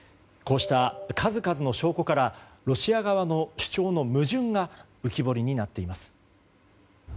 こうした数々の証拠からロシア側の主張の矛盾が浮き彫りになっています。